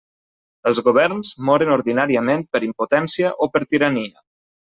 Els governs moren ordinàriament per impotència o per tirania.